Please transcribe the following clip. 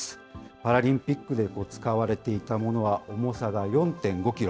パラリンピックで使われていたものは、重さが４．５キロ。